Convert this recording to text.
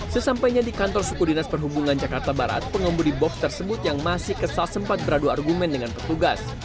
sesampainya di kantor suku dinas perhubungan jakarta barat pengemudi box tersebut yang masih kesal sempat beradu argumen dengan petugas